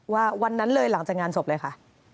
วันนั้นเลยหลังจากงานศพเลยค่ะ